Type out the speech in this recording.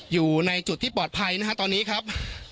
อยู่ในจุดที่ปลอดภัยนะฮะตอนนี้ครับ